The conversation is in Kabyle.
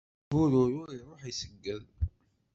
Bururu iruḥ, iṣegged.